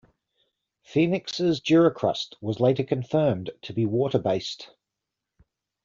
Phoenix's duricrust was later confirmed to be water-based.